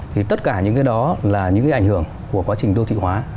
thì tất cả những cái đó là những cái ảnh hưởng của quá trình đô thị hóa